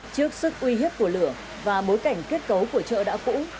trước sức uy hiếp của lửa và bối cảnh kết cấu của chợ đã cũ